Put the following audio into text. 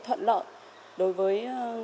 thuận lợi đối với